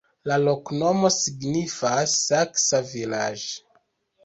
La loknomo signifas: saksa-vilaĝ'.